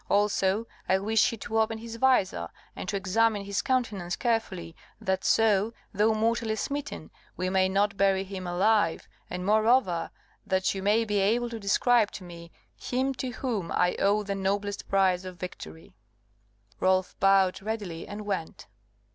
Also, I wish you to open his visor, and to examine his countenance carefully, that so, though mortally smitten, we may not bury him alive; and moreover, that you may be able to describe to me him to whom I owe the noblest prize of victory." Rolf bowed readily, and went.